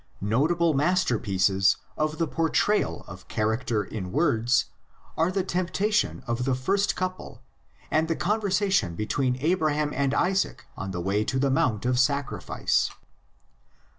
Notable masterpieces of the portrayal of character in words are the temptation of the first couple and the con versation between Abraham and Isaac on the way to the mount of sacrifice.